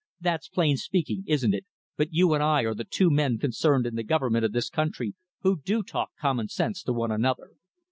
That's plain speaking, isn't it, but you and I are the two men concerned in the government of this country who do talk common sense to one another.